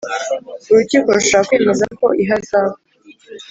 Urukiko rushobora kwemeza ko ihazabu